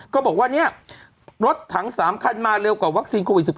ก็บอกว่าเนี่ยรถถัง๓คันมาเร็วกว่าวัคซีนโควิด๑๙